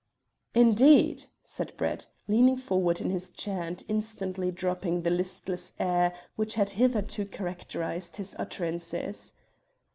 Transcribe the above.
"Indeed!" said Brett, leaning forward in his chair, and instantly dropping the listless air which had hitherto characterized his utterances.